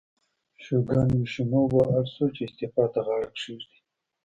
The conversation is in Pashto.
شوګان یوشینوبو اړ شو چې استعفا ته غاړه کېږدي.